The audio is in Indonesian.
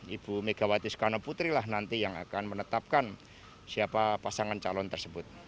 ibu megawati soekarno putri lah nanti yang akan menetapkan siapa pasangan calon tersebut